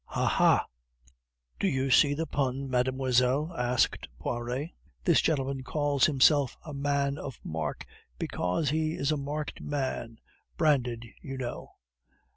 "Ha! ha! do you see the pun, mademoiselle?" asked Poiret. "This gentleman calls himself a man of mark because he is a marked man branded, you know."